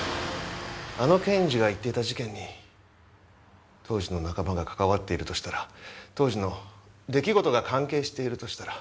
あの検事が言っていた事件に当時の仲間が関わっているとしたら当時の出来事が関係しているとしたら。